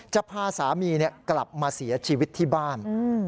จะพาสามีกลับมาเสียชีวิตที่บ้าน